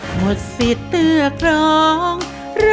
เพลงเมื่อสักครู่นี้ที่คุณไก่ร้องก็คือ